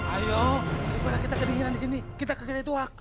ayo daripada kita kedinginan di sini kita kediri itu waktu